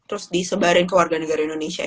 terus disebarin ke warga negara indonesia